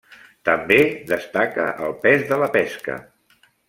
També destaca el pes de la pesca.